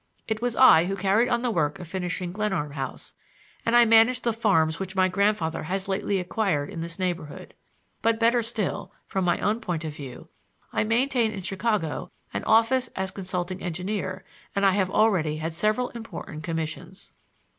It was I who carried on the work of finishing Glenarm House, and I manage the farms which my grandfather has lately acquired in this neighborhood. But better still, from my own point of view, I maintain in Chicago an office as consulting engineer and I have already had several important commissions.